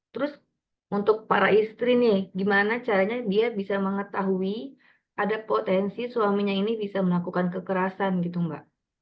terus untuk para istri nih gimana caranya dia bisa mengetahui ada potensi suaminya ini bisa melakukan kekerasan gitu mbak